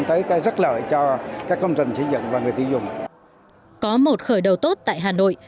tới các rắc lợi cho các công trình xây dựng và người tiêu dùng có một khởi đầu tốt tại hà nội